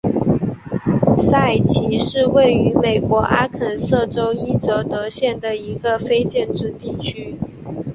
塞奇是位于美国阿肯色州伊泽德县的一个非建制地区。